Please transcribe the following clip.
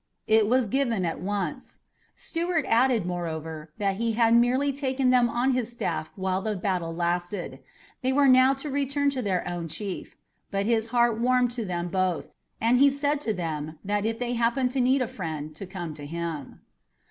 It was given at once. Stuart added, moreover, that he had merely taken them on his staff while the battle lasted. They were now to return to their own chief. But his heart warmed to them both and he said to them that if they happened to need a friend to come to him.